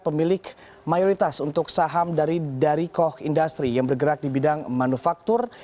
pemilik mayoritas untuk saham dari coch industry yang bergerak di bidang manufaktur